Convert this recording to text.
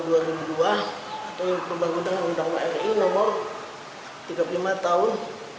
atau perubahan undang undang wri nomor tiga puluh lima tahun dua ribu empat belas